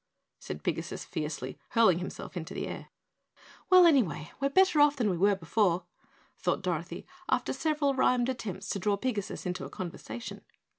said Pigasus fiercely, hurling himself into the air. "Well, anyway, we're better off than we were before," thought Dorothy after several rhymed attempts to draw Pigasus into a conversation.